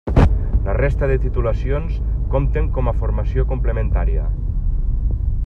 La resta de titulacions compten com a formació complementària.